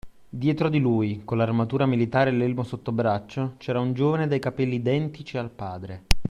Dietro di lui, con l’armatura militare e l’elmo sottobraccio, c’era un giovane dai capelli identici al padre